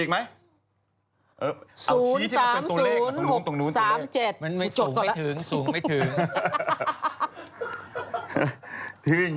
ถึงสูงไม่ถึง